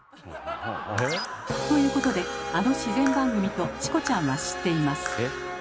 ということであの自然番組とチコちゃんは知っています。